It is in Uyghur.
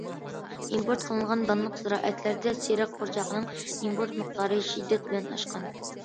ئىمپورت قىلىنغان دانلىق زىرائەتلەردە، سېرىق پۇرچاقنىڭ ئىمپورت مىقدارى شىددەت بىلەن ئاشقان.